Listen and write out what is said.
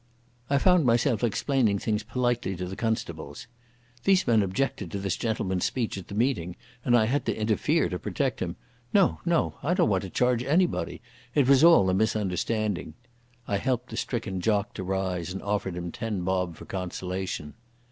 I found myself explaining things politely to the constables. "These men objected to this gentleman's speech at the meeting, and I had to interfere to protect him. No, no! I don't want to charge anybody. It was all a misunderstanding." I helped the stricken jock to rise and offered him ten bob for consolation.